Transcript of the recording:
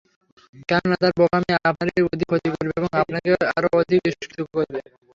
কেননা, তার বোকামি আপনারই অধিক ক্ষতি করবে ও আপনাকে আরও অধিক তিরস্কৃত করবে।